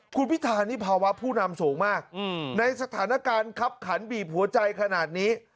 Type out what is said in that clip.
คุณพิธานี่ภาวะผู้นำสูงมากในสถานการณ์คับขันบีบหัวใจขนาดนี้